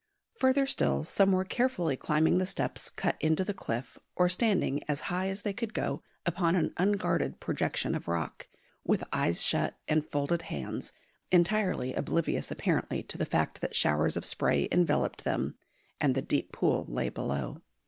Further still some were carefully climbing the steps cut into the cliff, or standing as high as they could go upon an unguarded projection of rock, with eyes shut and folded hands, entirely oblivious apparently to the fact that showers of spray enveloped them, and the deep pool lay below.